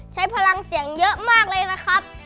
ใช้พลังเสียงเยอะมากเลยนะครับ